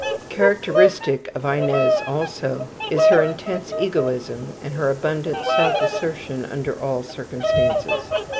Characteristic of Inez, also, is her intense egoism and her abundant self assertion under all circumstances.